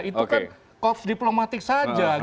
itu kan kops diplomatik saja